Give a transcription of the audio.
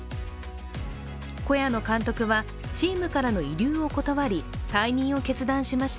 小谷野監督はチームからの慰留を断り、退任を決断しました。